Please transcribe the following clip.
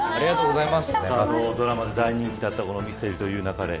ドラマで大人気だったこの、ミステリと言う勿れ